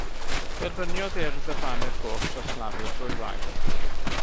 Derbyniodd Urdd y Faner Goch dros Lafur ddwywaith.